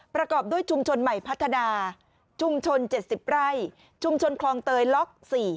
ประกอบด้วยชุมชนใหม่พัฒนาชุมชน๗๐ไร่ชุมชนคลองเตยล็อก๔